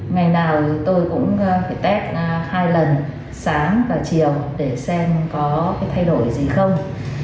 ngày nào tôi cũng phải test hai lần sáng và chiều để xem có cái thay đổi gì không